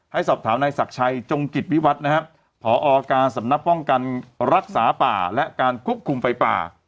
สอบถามนายศักดิ์ชัยจงกิจวิวัตรนะครับพอการสำนักป้องกันรักษาป่าและการควบคุมไฟป่า